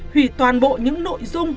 hủy toàn bộ những nội dung